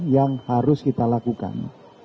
yang harus kita lakukan